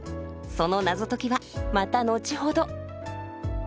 その謎解きはまた後ほど。